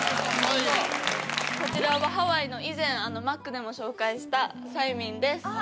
こちらはハワイの以前マックでも紹介したサイミンです